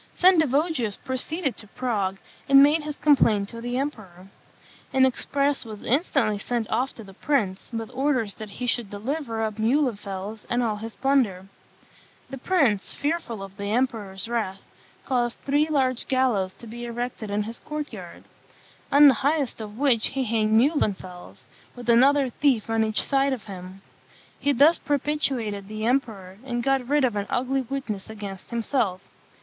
Sendivogius proceeded to Prague, and made his complaint to the emperor. An express was instantly sent off to the prince, with orders that he should deliver up Muhlenfels and all his plunder. The prince, fearful of the emperor's wrath, caused three large gallows to be erected in his court yard; on the highest of which he hanged Muhlenfels, with another thief on each side of him. He thus propitiated the emperor, and got rid of an ugly witness against himself.